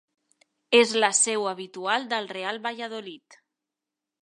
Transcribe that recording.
És la seu habitual del Real Valladolid.